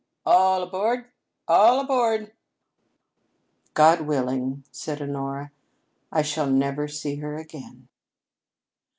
"All aboard! All aboard!" "God willing," said Honora, "I shall never see her again."